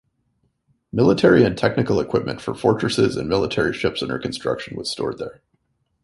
Military and technical equipment for fortresses and military ships under construction was stored there.